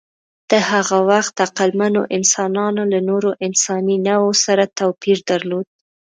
د هغه وخت عقلمنو انسانانو له نورو انساني نوعو سره توپیر درلود.